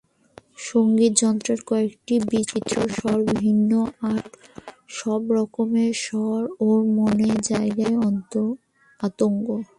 সংগীত যন্ত্রের কয়েকটি বিচিত্র স্বর ভিন্ন আর সবরকমের স্বরই ওর মনে জাগায় আতঙ্ক।